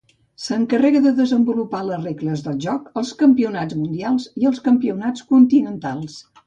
S'encarrega de desenvolupar les regles de joc, els campionats mundials i els campionats continentals.